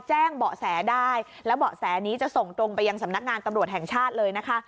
เบาะแสได้แล้วเบาะแสนี้จะส่งตรงไปยังสำนักงานตำรวจแห่งชาติเลยนะคะ